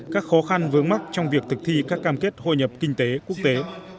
các khó khăn vướng mắt trong việc thực thi các cam kết hội nhập kinh tế quốc tế